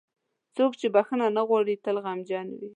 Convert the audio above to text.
• څوک چې بښنه نه کوي، تل غمجن وي.